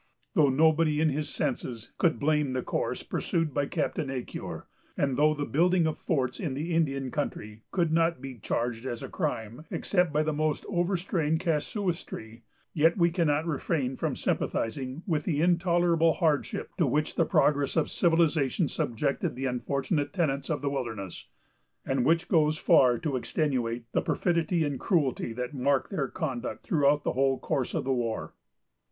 Though nobody in his senses could blame the course pursued by Captain Ecuyer, and though the building of forts in the Indian country could not be charged as a crime, except by the most overstrained casuistry, yet we cannot refrain from sympathizing with the intolerable hardship to which the progress of civilization subjected the unfortunate tenants of the wilderness, and which goes far to extenuate the perfidy and cruelty that marked their conduct throughout the whole course of the war.